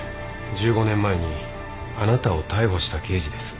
１５年前にあなたを逮捕した刑事です。